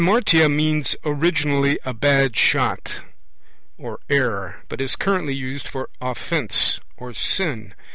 Hamartia means originally a 'bad shot' or 'error', but is currently used for 'offence' or 'sin'.